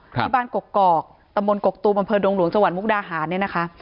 ที่บ้านกกกอกตะมนต์กกกตูบำเภอดวงหลวงจวันมุกดาหารเนี่ยนะคะ